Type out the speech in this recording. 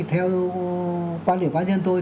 theo quan điểm quan nhân tôi